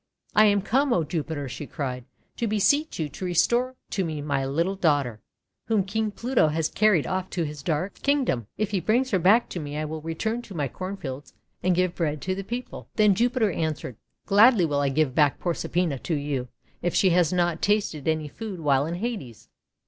'I am come, O Jupiter," she cried, 'to be seech you to restore to me my little daughter, whom King Pluto has carried off to his dark HUNDRED HEADED DAFFODIL 429 Kingdom! If he brings her back to me I will return to my cornfields and give bread to the people!" Then Jupiter answered: :< Gladly will I give back Proserpina to you if she has not tasted any food while in Hades.